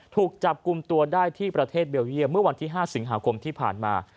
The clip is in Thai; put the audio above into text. ถูกจับกลุ่มตัวได้ที่ประเทศเบลเยี่ยมเมื่อวันที่๕สิงหาคมที่ผ่านมา